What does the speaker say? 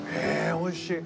おいしい！